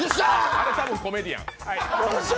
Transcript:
あれ、多分コメディアン。